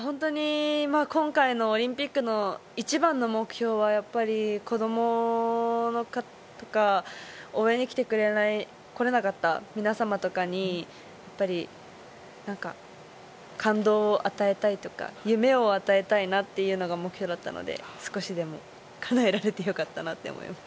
今回のオリンピックの一番の目標はやっぱり、子供とか、応援に来れなかった皆様とかに感動を与えたいとか、夢を与えたいなっていうのが目標だったので、少しでも叶えられてよかったなって思います。